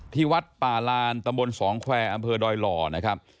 ที่วัดป่าลานตำบลสองแควร์อำเภอดอยหล่อนะครับ